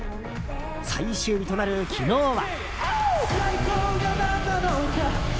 最終日となる昨日は。